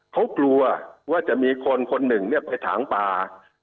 เขากลัวว่าจะมีคนคนหนึ่งไปถางป่า